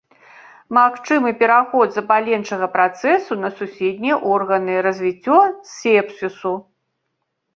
Магчымы пераход запаленчага працэсу на суседнія органы, развіццё сепсісу.